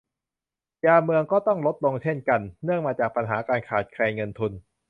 ยามเมืองก็ต้องลดลงเช่นกัน เนื่องมาจากปัญหาการขาดแคลนเงินทุน